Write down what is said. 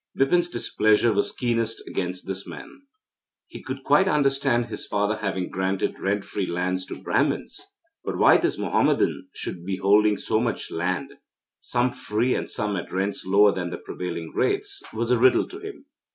Bipin's displeasure was keenest against this man. He could quite understand his father having granted rent free lands to Brahmins, but why this Mohammedan should be holding so much land, some free and some at rents lower than the prevailing rates, was a riddle to him.